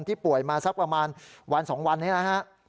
ป่วยมาสักประมาณวัน๒วันนี้นะฮะ